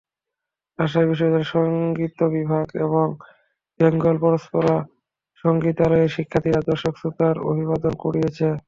রাজশাহী বিশ্ববিদ্যালয়ের সংগীত বিভাগ এবং বেঙ্গল পরম্পরা সংগীতালয়ের শিক্ষার্থীরা দর্শক-শ্রোতার অভিবাদন কুড়িয়েছে।